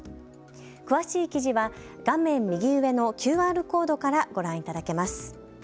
詳しい記事は画面右上のＱＲコードからご覧いただけます。